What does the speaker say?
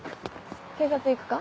警察行くか？